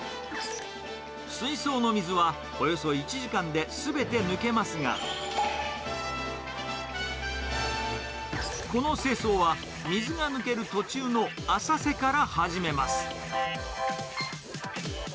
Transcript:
水槽の水は、およそ１時間ですべて抜けますが、この清掃は、水が抜ける途中の浅瀬から始めます。